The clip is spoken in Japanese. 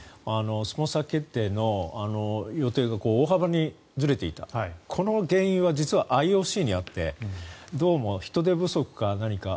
スポンサー決定の予定が大幅にずれていたこの原因は実はＩＯＣにあってどうも人手不足か何か。